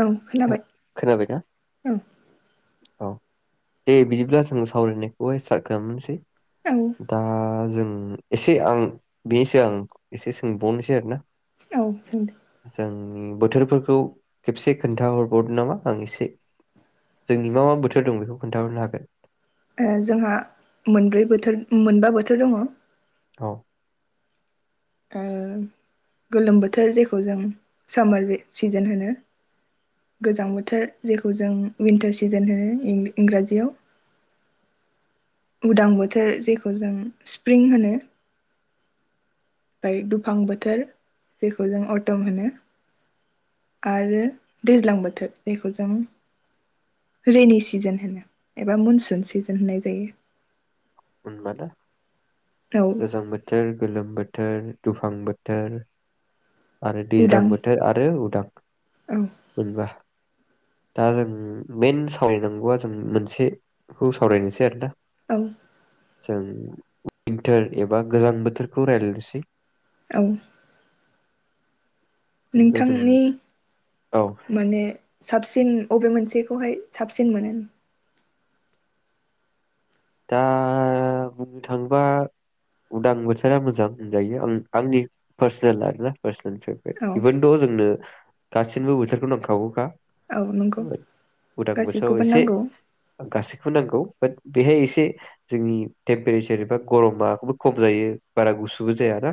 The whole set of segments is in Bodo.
औ हो, खोनाबाय खोनाबायना ओं। औ दे बिदिब्ला जों सावरायनायखौहाय स्टार्ट खालामसै औ दा जों उम एसे आं बेनोसै आं एसे सोंबावनोसै आरो ना। औ सोंदो। उम बोथोरफोरखौ खेबसे खोन्थाहरबावदो नामा ओं एसे जोंनि मा मा बोथोर दं बेखौ खोन्थाहरनो हागोन? जोंहा मोनब्रै बोथोर मोनबा बोथोर दङ' औ। उम गोलोम बोथोर जेखौ जों सामार बे सिजोन होनो गोजां बोथोर जेखौ जों विन्टार सिजोन होनो इंराजियाव उदां बोथोर जेखौ जों स्प्रिं होनो ओमाय दुफां बोथोर जेखौ जों अटम होनो आरो दैज्लां बोथोर जेखौ जों रेनि सिजोन होनो एबा मनसुन सिजोन होननाय जायो। [unintelligible] औ गोजां बोथोर गोलोम बोथोर दुफां बोथोर आरो दैज्लां उदां बोथोर आरो उदां औ मोनबा। दा जों मेन सावरायनांगौआ जों मोनसेखौ सावरायनोसै आरोना। औ। जों उइन्थार एबा गोजां बोथोरखौ रायज्लायनोसै औ। खिन्थु जों नोंथांनि औ माने साबसिन अबे मोनसेखौहाय साबसिन मोनो। दा बुंनो थाङोबा उदां बोथोरा मोजां होनजायो आं आंनि पार्सनेल आरोना पार्सेल औ [unintelligible] जोंनो गासिनोबो बोथोरखौनो नांखागौखा औ नंगौ उदां बोथोराव गासिबखौबो एसे नांगौ गासैखौबो नांगौ। बात बेहाय एसे बे जोंनि टेम्पारेसार एबा गरमाबो खम जायो बारा गुसुबो जाया ना?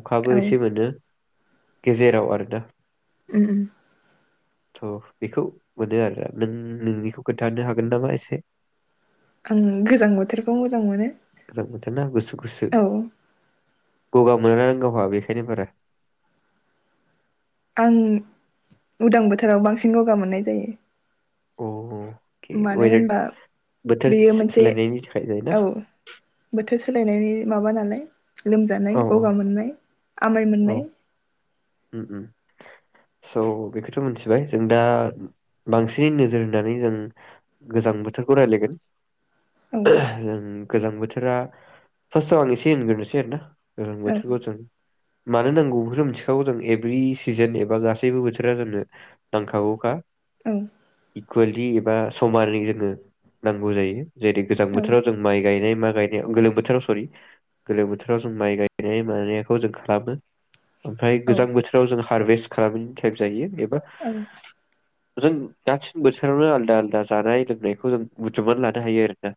अखाबो औ एसे उम मोनो। गेजेराव आरो दा उम उम। थ' बेखौ मोनो आरो नों नोंनिखौ खोन्थाहानो हागोन नामा एसे आं गोजां बोथोरखौ मोजां मोनो [unintelligible] ना गुसु [unintelligible] औ [unintelligible] गावहा बेखायनो बारा आं उदां बोथोराव बांसिन गगा मोननाय जायो अके मानो वेदार होनबा बोथोर बेयो सो- मोनसे सोलायनायनि थाखाय जायोना औ बोथोर [unintelligible] सोलायनायनि माबा नालाय औ लोमजानाय औ गगा मोननाय आमाय औ मोननाय [unintelligible] बेखौथ' मिथिबाय जों दा बांसिनै नोजोर होनानै जों गोजां बोथोरखौ राय्लायगोन औ [unintelligible] गोजां बोथोरा फार्स्ट आव आं एसे होनग्रोनोसै आरो औ ना [unintelligible] मानो नांगौ बेफोरखौ मिथिखागौ जों एभ्रि सिजोन एबा गासैबो बोथोरा जोंनो नांखागौखा। औ। इकुवेलि एबा समालि जोङो नांगौ जायो। जेरै गोजां बोथोराव जों माइ गायनाय मा। गायनायाव गोलोम बोथोराव सरि गोलोम बोथोराव जों माइ गायनाय मानायखौ जों खालामो ओमफ्राय। औ गोजां बोथोराव जों हारभेस्ट खालामनायनि टाइप जायो बे। [inaudible] औ जों बोसोरावनो आलदा आलदा जानाय लोंनायखौ जों बुथुमनानै लानो हायो आरो।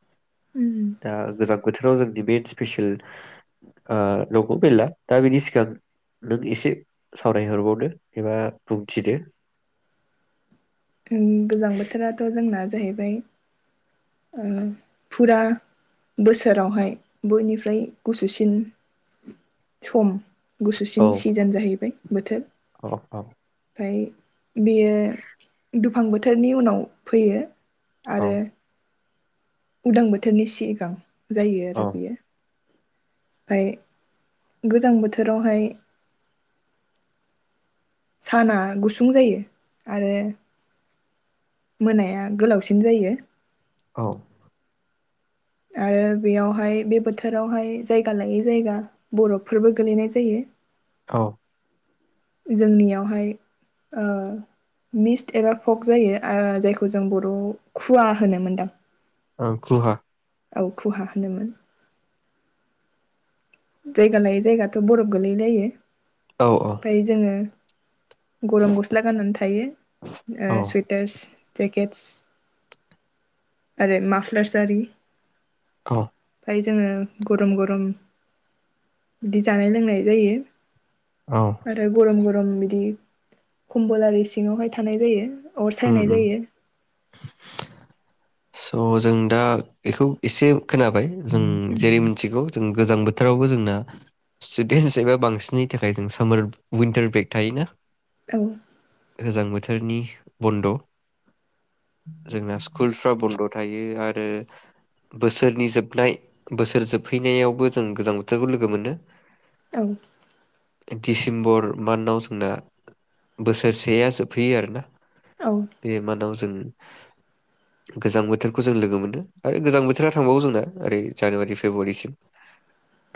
उम दा गोजां बोथोराव जोंनि। बे स्पेसियेल आ नंगौ मेला दा बेनि सिगां नों एसे। सावरायहरबावदो एबा बुंथिदो। ओ गोजां बोथोराथ' जोंना। जायैबाय फुरा बोसोरावहाय बयनिफ्राय गुसुसिन सम। औ गुसुसिन सिजोन जाहैबाय। बोथोर। औ औ। ओमफ्राय। बेयो। दुफां बोथोरनि उनाव फैयो। औ आरो। उदां बोथोरनि सिगां। जायो औ आरो बेयो। फाय गोजां बोथोरावहाय। साना गुसुं जायो आरो। मोनाया गोलावसिन जायो। औ। आरो बेयावहाय बे बोथोरावहाय जायगा लायै जायगा बरफफोरबो गोलैनाय जायो। औ। जोंनियावहाय ओ मिस्ट एबा फक जायो जायखौ जों बर'आव खुवा होनो मोनदां। ओ खुहा। औ खुहा होनोमोन। जायगा लायै जायगाथ' बरफ गोलैलायो। औ औ फाय जोङो। गरम गस्ला गाननानै थायो औ सुइटार्स जेकेट्स। आरो मफ्लार आरि। औ। फाय जोङो गरम गरम बिदि जानाय लोंनाय जायो। औ आरो गरम गरम बिदि। खमबल आरि सिङावहाय थानाय जायो अर उम सायनाय उम जायो स' जों दा बेखौ एसे खोनाबाय जों जेरै मिथिगौ जों गोजां बोथोरावबो जोंना स्टुडेन्टस एबा बांसिननि थाखाय जों सामार उइन्टार ब्रेक थायोना औ गोजां बोथोरनि बन्द' जोंना स्कुल फ्रा बन्द' थायो आरो बोसोरनि जोबनाय बोसोर जोबहैनायावबो जों गोजां बोथोरखौ लोगो मोनो औ डिसेम्बर मन्थाव जोंना बोसोरसेया जोबहैयो आरोना औ बे मादाव जों गोजां बोथोरखौ जों लोगो मोनो आरो गोजां बोथोरा थांबावो जोंना ओरै जानुवारि फेब्रुवारिसिम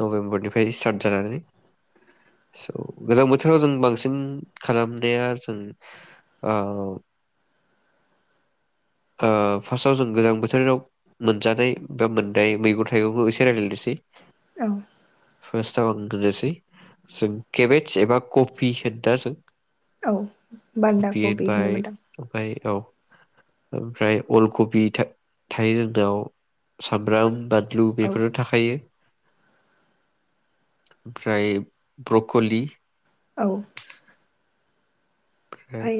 नभेम्बरनिफ्राय स्टार्ट जानानै स' गोजां बोथोराव जों बांसिन खालामनाया जों ओ फार्स्टआव जों गोजां बोथोराव मोनजानाय बा मोननाय मैगं थाइगंखौ एसे रायज्लायनोसै औ फार्स्तआव होननोसै जों केबेस एबा कफि होनो दा जों औ बान्दा कफि कबि होनबाय होनोमोनदां ओमफ्राय औ ओमफ्राय अल कबि था-थायो जोंनाव सामब्राम बान लु औ बेफोरो थाखायो ओमफ्राय ब्रकलि औ ओमफ्राय ओमफाय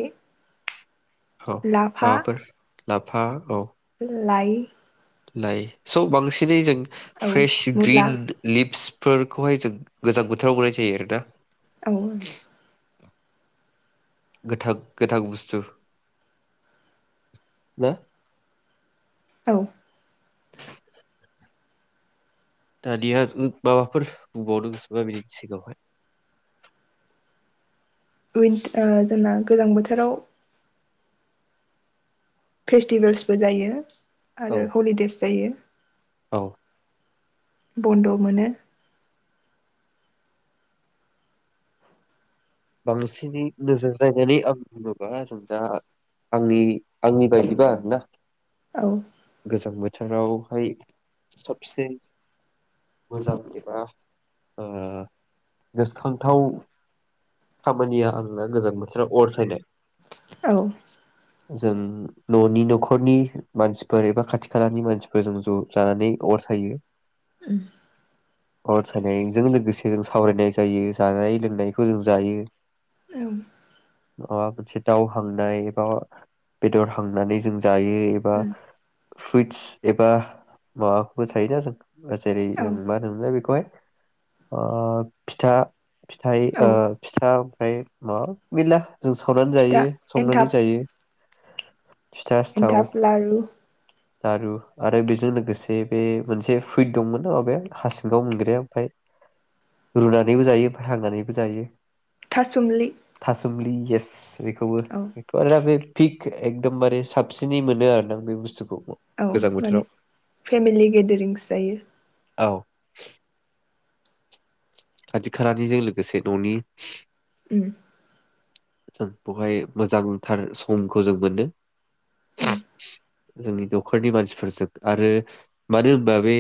औ माबाफोर लाफा औ लाइ लाइ स' बांसिनै जों औ फ्रेश मुला ग्रिन लिभस फोरखौहाय जों गोजां बोथोराव मोननाय जायो आरोना। औ गोथां गोथां बुस्थु ना? औ [inaudible] दानिया माबाफोर बुंबावनो गोसोबा बिनि सिगाङावहाय उइन्ट जोंना गोजां बोथोराव फेस्टिभेल्सबो जायो। औ आरो हलिदेयस जायो औ बन्द मोनो। बांसिनै नोजोर नायनानै आं बुङोबा जों दा आंनि आंनि बायदिबा आरोना। औ गोजां बोथोरावहाय साबसिन मोजां एबा ओ गोसोखांथाव खामानिया आंना गोजां बोथोराव अर सायनाय। औ जों न'नि नख'रनि मानसिफोर एबा खाथि खालानि मानसिफोर जों ज' जानानै अर सायो अर सायनायजों लोगोसे जों सावरायनाय जायो जानाय लोंनायखौ जों दायो माबा मोनसे दाव हांनाय एबा बेदर हांनानै जों जायो एबा फ्रुइटस एबा माबाबो थायोना जों जेरै औ ओं मा औ होनोमोनलाय बेखौहाय अ फिथा फिथाइ ओ औ ओमफाय मा [unintelligible] जों सावनानै फिथा जायो संनानै जायो। फिथा सिथाव एनथाब लारु लारु आरो बेजों लोगोसे बे मोनसे फुइद दंमोन अबे हा सिंगाव मोनग्राया ओमफाय रुनानैबो जायो ओमफ्राय हांनानैबो जायो। थासुमलि थासुमलि एस बेखौबो औ बेथ' आरो दा बे फिक एकदमबारे साबसिनै मोनो आरो ना बे बुस्थुखौ। औ गोजां माने बोथोराव फेमिलि गेदेरिंस जायो। औ खाथि खालानिजों लोगोसे न'नि। उम जों बहाय मोजांथार समखौ जों मोनो जोंनि नखरनि मानसिफोरजों आरो मानो होनबा बे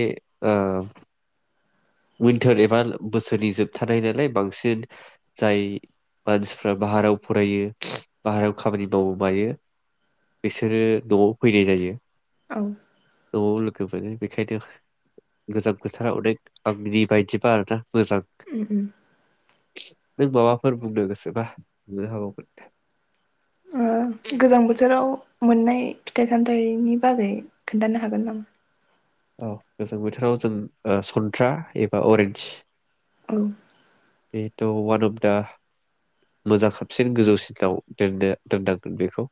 ओ उइन्टार एबा बोसोरनि जोबथानाय नालाय बांसिन जाय मानसिफ्रा बाहारायाव फरायो बाहारायाव खामानि माव मायो बिसोरो नआव फैनाय जायो औ औ लोगो मोनो बेखायनो गोजां बोथोरा अनेक आंनि बायदिबा आरोना मोजां उ उ नों माबाफोर बुंनो गोसोबा बुंनो हाबावगोन गोजां बोथोराव मोननाय फिथाइ सामथाइनि बागै खोनथानो हागोन नामा औ गोजां बोथोराव जों ओ सन्थ्रा एबा अरेन्ज औ बेथ वानब दा मोजां साबसिन गोजौसिनाव दोननो दोननांगोन बेखौ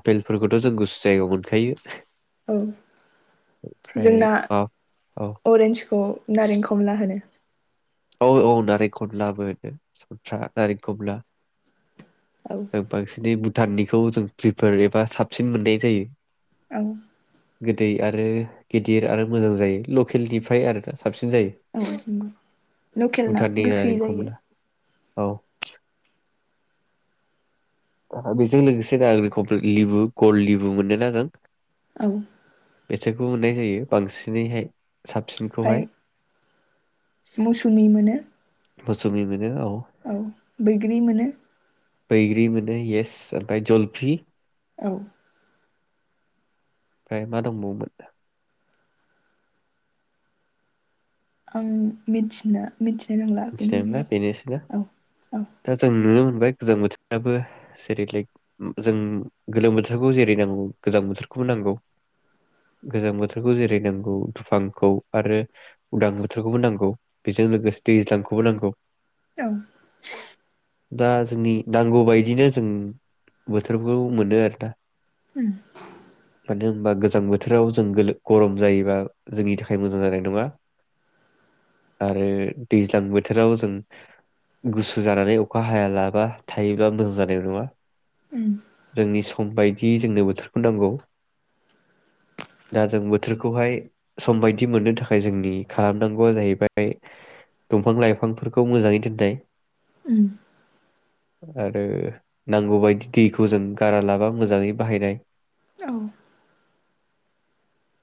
आफेलफोरखौथ जों गुसु जायगायाव मोनखायो औ ओमफ्राय जोंना अ औ अरेन्सखौ नारें खमला हो नो औ औ नारेंखमला मोनो सन्थ्रा नारेंखमला औ ओ बांसिनै बु थाननिखौ जों प्रिफार एबा साबसिन मोननाय जायो। औ गोदै आरो गिदिर आरो मोजां जायो लकेलनिफ्राय आरोना साबसिन औ जायो नंगौ लकेल ना भुटाननि गोखै नारें जायो खमला औ बेजों लोगोसे दा खौ लिबु गल लिबु मोनो नागोन औ बेसोरखौ मोननाय जायो बांसिनैहाय ओमफाय साबसिनखौहाय मौसुमि मोनो मौसुमै मो औ बैग्रि मोनो बैग्रि मोनो येस ओमफाय जलफि औ ओमफ्राय मा दंबावोमोन? आं मिथिनो मिथिनो रोंला बेनि मिथिनाय मोनला बेनोसैना अनगा औ औ दा जोंनों बाय गोजां बोथोराबो जेरै लाइक जों गोलोम बोथोरखौ जेरै नांगौ गोजां बोथोरखौबो नांगौ गोजां बोथोरखौ जेरै नांगौ दुफांखौ आरो उदां बोथोरखौबो नांगौ बेजों लोगोसे दैज्लांखौबो नांगौ औ। दा जोंनि नांगौ बायदिनो जों बोथोरखौ मोनो आरोना। उम। मानो होनबा गोजां बोथोराव जों गोलो गरम जायोबा जोंनि थाखाय मोजां जानाय नङा आरो दैज्लां बोथोराव जों गुसु जानानै अखा हायालाबा थायोब्ला मोजां जानाय नङा उम। जोंनि सम बायदि जोंनो बोथोरखौ नांगौ दा जों बोथोरखौहाय सम बायदि मोननो थाखाय जोंनि खालामनांगौआ जाहैबाय दंफां लाइफांफोरखौ मोजाङै दोननाय। उम। आरो नांगौबायदि दैखौ जों गारा लाबा मोजाङै बाहायनाय। औ।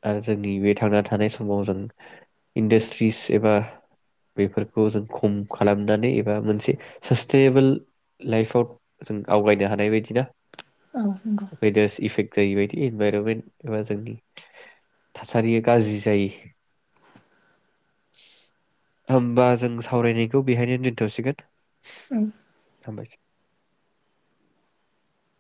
आरो जोंनि बे थांना थानाय समाव जों इन्डास्ट्रिस एबा बेफोरखौ जों खम खालामनानै बा मोनसे सासटेबोल लाइफाव जों आवगायनो हानाय बायदि ना। नंगौ बायदास इफेक्ट जायैबायदि इनभाइरनमेन्ट एबा जोंनि थासारिया गाज्रि जायो होमबा जों सावरायनायखौ बेहायनो दोन थ'सिगोन। उम। हामबायसै।